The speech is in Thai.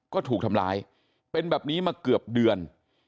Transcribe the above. ก็ถูกทำร้ายเป็นแบบนี้มาเกือบเดือน